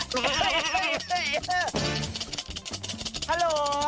ฮัลโหล